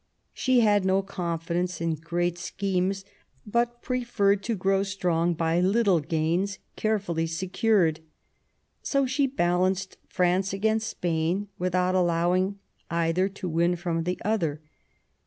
She had no confidence in great schemes, but preferred to grow strong by little gains carefully secured. So she balanced France against Spain, without allowing either to win from the other.